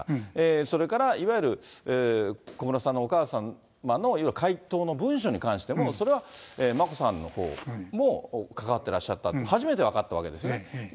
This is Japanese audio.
それからいわゆる小室さんのお母様の、いわゆる回答の文書に関しても、それは眞子さんのほうも関わってらっしゃったって、初めて分かったわけですね。